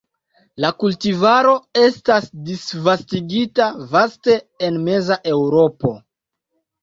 La kultivaro estas disvastigita vaste en meza Eŭropo.